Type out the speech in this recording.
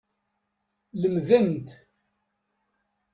Lemdent.